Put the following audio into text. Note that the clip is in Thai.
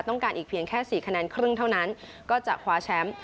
อีกเพียงแค่๔คะแนนครึ่งเท่านั้นก็จะคว้าแชมป์